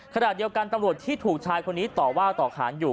ขณะเดียวกันตำรวจที่ถูกชายคนนี้ต่อว่าต่อขานอยู่